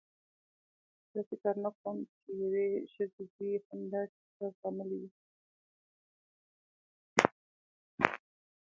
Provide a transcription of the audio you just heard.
زه فکر نه کوم چې یوې ښځې دې هم داسې څه زغملي وي.